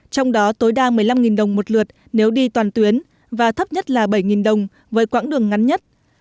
trong đó tối đa một mươi năm đồng một lượt nếu đi toàn tuyến và thấp nhất là bảy đồng với quãng đường ngắn nhất